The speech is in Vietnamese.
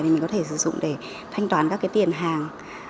thì mình có thể sử dụng để thanh toán các cái tiền hàng